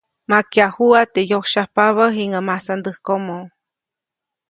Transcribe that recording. Makyajuʼa teʼ yosyajpabä jiŋäʼ masandäjkomo.